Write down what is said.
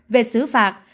về xứ phạt